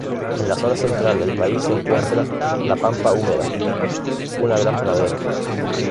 En la zona central del país se encuentra la Pampa húmeda, una gran pradera.